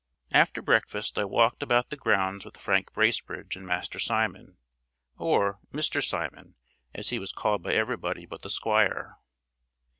After breakfast I walked about the grounds with Frank Bracebridge and Master Simon, or Mr. Simon, as he was called by everybody but the Squire.